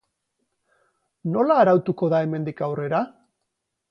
Nola arautuko da hemendik aurrera?